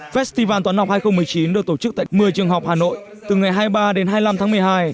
festival toán học hai nghìn một mươi chín được tổ chức tại một mươi trường học hà nội từ ngày hai mươi ba đến hai mươi năm tháng một mươi hai